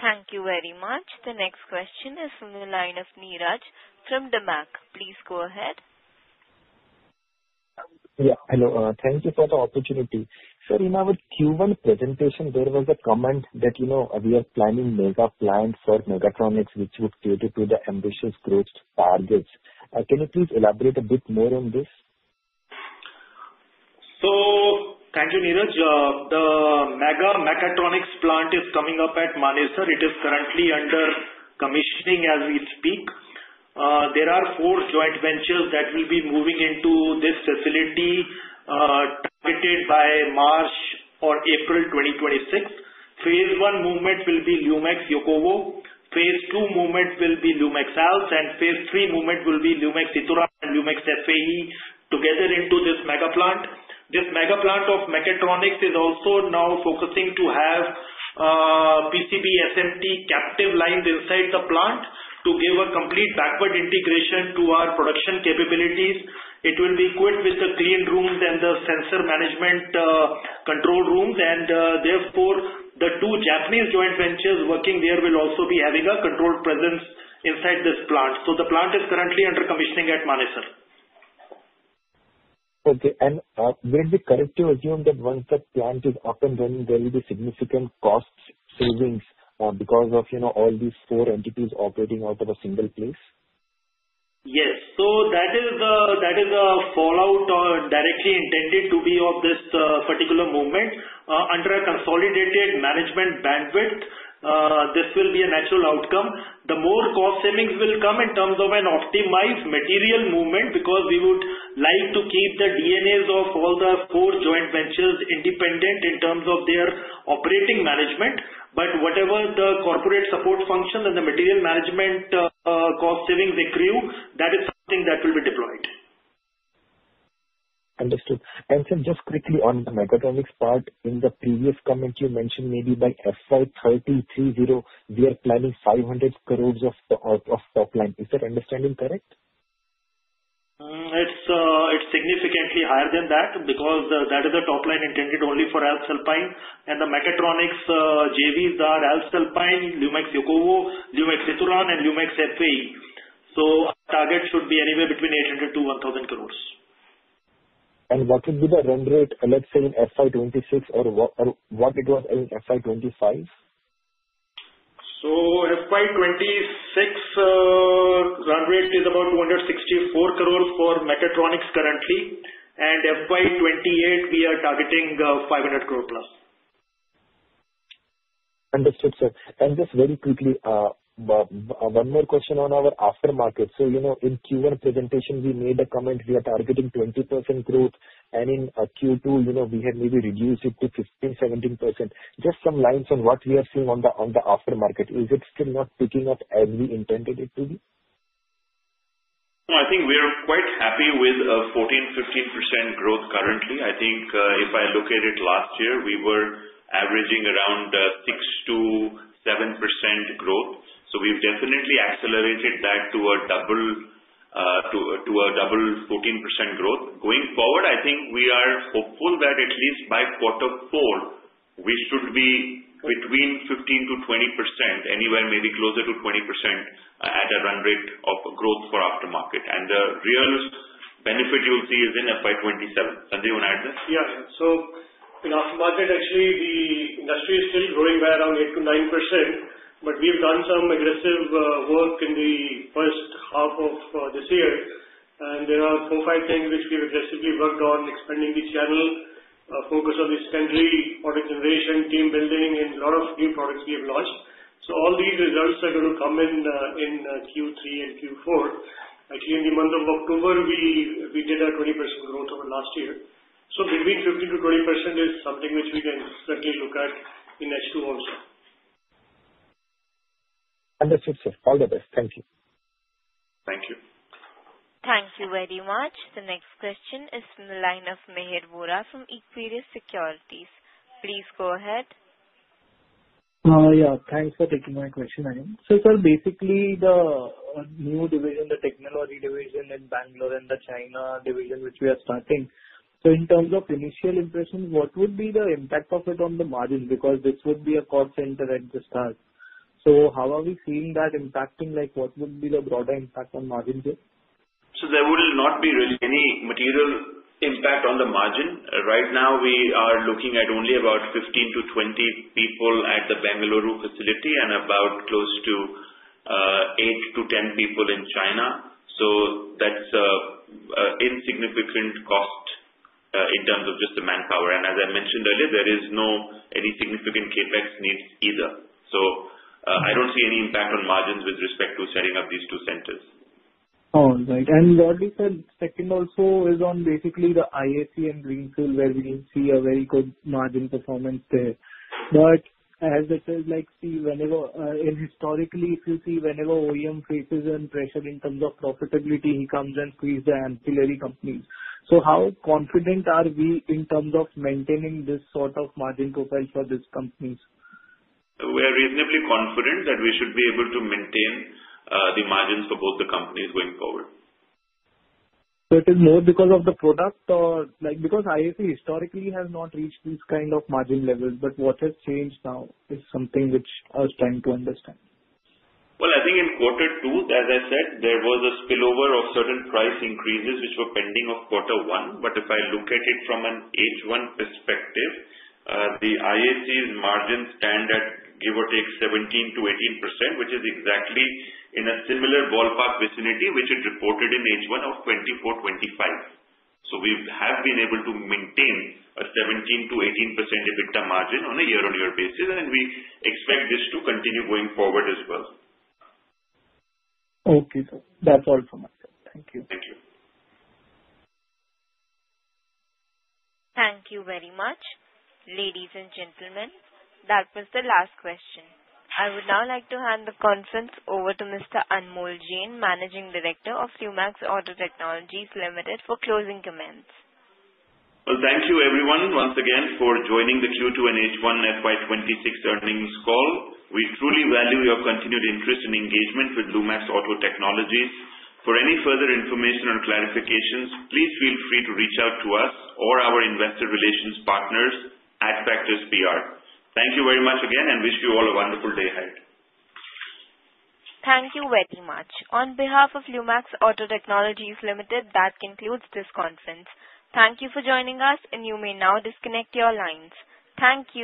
Thank you very much. The next question is from the line of Neeraj from DAMAC. Please go ahead. Yeah. Hello. Thank you for the opportunity. Sir, in our Q1 presentation, there was a comment that we are planning mega plant for mechatronics, which would cater to the ambitious growth targets. Can you please elaborate a bit more on this? Thank you, Neeraj. The mega mechatronics plant is coming up at Manesar. It is currently under commissioning as we speak. There are four joint ventures that will be moving into this facility targeted by March or April 2026. Phase one movement will be Lumax Yokowo. Phase two movement will be Lumax Alps. And phase three movement will be Lumax Ituran and Lumax FAE together into this mega plant. This mega plant of mechatronics is also now focusing to have PCB SMT captive lines inside the plant to give a complete backward integration to our production capabilities. It will be equipped with the clean rooms and the sensor management control rooms. And therefore, the two Japanese joint ventures working there will also be having a controlled presence inside this plant. The plant is currently under commissioning at Manesar, sir. Okay, and would it be correct to assume that once the plant is up and running, there will be significant cost savings because of all these four entities operating out of a single place? Yes. So that is the fallout directly intended to be of this particular movement. Under a consolidated management bandwidth, this will be a natural outcome. The more cost savings will come in terms of an optimized material movement because we would like to keep the DNAs of all the four joint ventures independent in terms of their operating management. But whatever the corporate support function and the material management cost savings accrue, that is something that will be deployed. Understood. And sir, just quickly on the mechatronics part, in the previous comment you mentioned, maybe by FY 2030, we are planning 500 crore of top line. Is that understanding correct? It's significantly higher than that because that is a top line intended only for Lumax Alpine. And the mechatronics JVs are Lumax Alpine, Lumax Yokowo, Lumax Ituran, and Lumax FAE. So our target should be anywhere between 800-1,000 crore. What would be the run rate, let's say, in FY 2026 or what it was in FY 2025? So FY 2026, run rate is about 264 crore for mechatronics currently. And FY 2028, we are targeting 500 crore plus. Understood, sir. And just very quickly, one more question on our aftermarket. So in Q1 presentation, we made a comment we are targeting 20% growth. And in Q2, we had maybe reduced it to 15%-17%. Just some lines on what we are seeing on the aftermarket. Is it still not picking up as we intended it to be? No, I think we are quite happy with 14%-15% growth currently. I think if I look at it last year, we were averaging around 6% to 7% growth. So we've definitely accelerated that to a double 14% growth. Going forward, I think we are hopeful that at least by quarter four, we should be between 15% to 20%, anywhere maybe closer to 20% at a run rate of growth for aftermarket. And the real benefit you'll see is in FY 2027. Sanjay, you want to add this? Yeah. So in aftermarket, actually, the industry is still growing by around 8%-9%. But we've done some aggressive work in the first half of this year. And there are four, five things which we've aggressively worked on, expanding the channel, focus on the secondary product generation, team building, and a lot of new products we have launched. So all these results are going to come in Q3 and Q4. Actually, in the month of October, we did a 20% growth over last year. So between 15%-20% is something which we can certainly look at in H2 also. Understood, sir. All the best. Thank you. Thank you. Thank you very much. The next question is from the line of Mihir Vora from Equirus Securities. Please go ahead. Yeah. Thanks for taking my question, Anmol. So sir, basically, the new division, the technology division in Bengaluru and the China division, which we are starting, so in terms of initial impression, what would be the impact of it on the margin? Because this would be a cost center at the start. So how are we seeing that impacting? What would be the broader impact on margin there? So there will not be really any material impact on the margin. Right now, we are looking at only about 15 to 20 people at the LATL facility and about close to eight to 10 people in China. So that's an insignificant cost in terms of just the manpower. And as I mentioned earlier, there is no any significant Capex needs either. So I don't see any impact on margins with respect to setting up these two centers. All right. And what we said second also is on basically the IAC and Greenfuel, where we didn't see a very good margin performance there. But as I said, see, historically, if you see whenever OEM faces pressure in terms of profitability, he comes and squeezes the ancillary companies. So how confident are we in terms of maintaining this sort of margin profile for these companies? We are reasonably confident that we should be able to maintain the margins for both the companies going forward. So it is more because of the product or because IAC historically has not reached these kind of margin levels? But what has changed now is something which I was trying to understand. I think in quarter two, as I said, there was a spillover of certain price increases which were pending of quarter one. If I look at it from an H1 perspective, the IAC's margin stand at give or take 17%-18%, which is exactly in a similar ballpark vicinity which it reported in H1 of 24, 25. We have been able to maintain a 17%-18% EBITDA margin on a year-on-year basis. We expect this to continue going forward as well. Okay. That's all from my side. Thank you. Thank you. Thank you very much, ladies and gentlemen. That was the last question. I would now like to hand the conference over to Mr. Anmol Jain, Managing Director of Lumax Auto Technologies Limited, for closing comments. Thank you, everyone, once again, for joining the Q2 and H1 FY 2026 earnings call. We truly value your continued interest and engagement with Lumax Auto Technologies. For any further information or clarifications, please feel free to reach out to us or our investor relations partners at Adfactors PR. Thank you very much again, and wish you all a wonderful day, indeed. Thank you very much. On behalf of Lumax Auto Technologies Limited, that concludes this conference. Thank you for joining us, and you may now disconnect your lines. Thank you.